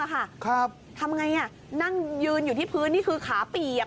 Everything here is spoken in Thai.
ปกติที่พี่เบิร์ธบอก